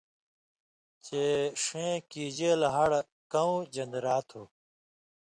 چے ݜېں کیژېل ہڑہۡ کؤں ژن٘دیۡرا تھُو؟